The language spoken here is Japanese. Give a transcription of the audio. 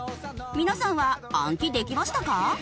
皆さんは暗記できましたか？